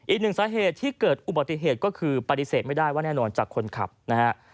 อีกหนึ่งสาเหตุที่เกิดอุบัติเหตุก็คือปฏิเสธไม่ได้ว่าแน่นอนจากคนขับนะฮะ